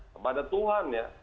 kepada tuhan ya